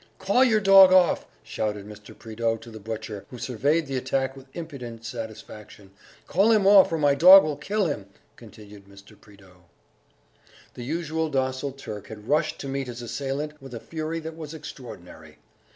"Call your dog off!" shouted Mr. Prideaux to the butcher, who surveyed the attack with impudent satisfaction.... "Call him off, or my dog will kill him!" continued Mr. Prideaux. The usually docile Turk had rushed to meet his assailant with a fury that was extraordinary.